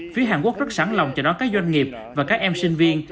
phía hàn quốc rất sẵn lòng cho đón các doanh nghiệp và các em sinh viên